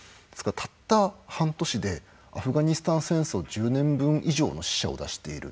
たった半年でアフガニスタン戦争１０年分以上の死者を出している。